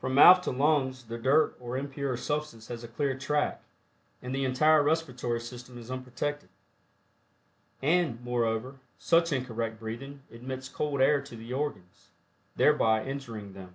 From mouth to lungs the dirt or impure substance has a clear track, and the entire respiratory system is unprotected. And, moreover, such incorrect breathing admits cold air to the organs, thereby injuring them.